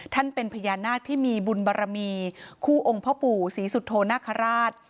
เป็นพญานาคที่มีบุญบารมีคู่องค์พ่อปู่ศรีสุโธนาคาราช